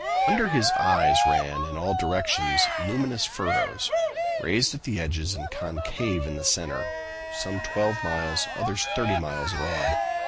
Under his eyes ran in all directions luminous furrows, raised at the edges and concave in the center, some twelve miles, others thirty miles broad.